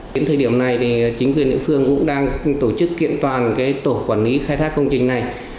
đến thời điểm này chính quyền địa phương cũng đang tổ chức kiện toàn tổ quản lý khai thác công trình này